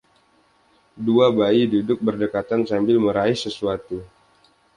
Dua bayi duduk berdekatan sambil meraih sesuatu.